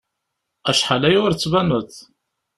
Acḥal aya ur d-tbaneḍ.